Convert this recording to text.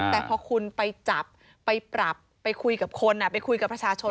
แต่พอคุณไปจับไปปรับไปคุยกับคนไปคุยกับประชาชน